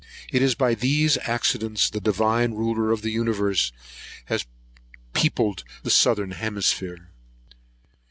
It is by these accidents the Divine Ruler of the universe has peopled the southern hemisphere.